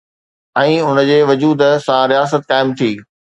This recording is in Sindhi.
۽ ان جي وجود سان رياست قائم ٿي.